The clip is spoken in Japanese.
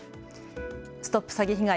ＳＴＯＰ詐欺被害！